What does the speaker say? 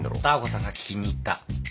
ダー子さんが聞きに行った。